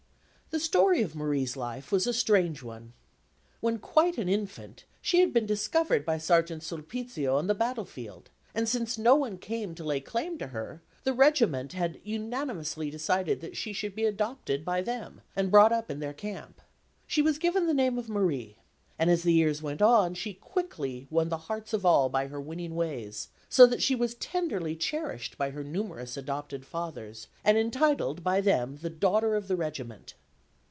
The story of Marie's life was a strange one. When quite an infant, she had been discovered by Sergeant Sulpizio on the battlefield; and since no one came to lay claim to her, the Regiment had unanimously decided that she should be adopted by them, and brought up in their camp. She was given the name of Marie; and as the years went on, she quickly won the hearts of all by her winning ways, so that she was tenderly cherished by her numerous adopted fathers, and entitled by them the Daughter of the Regiment.